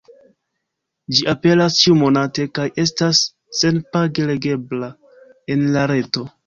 Ĝi aperas ĉiu-monate, kaj estas sen-page legebla en la reto.